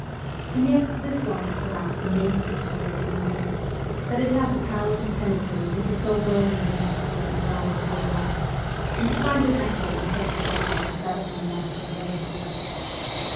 And yet this was, perhaps, the main feature of the movement that it had the power to penetrate into so ' well meaning ' a school as our corps was, and to find an echo in such a circle as that of my Moscow relatives.